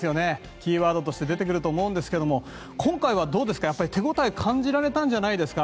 キーワードとして出てくると思うんですが今回はどうですか、手応え感じられたんじゃないですか？